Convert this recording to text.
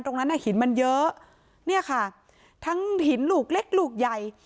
ตรงนั้นน่ะหินมันเยอะเนี่ยค่ะทั้งหินลูกเล็กลูกใหญ่